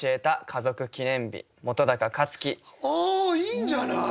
いいんじゃない！？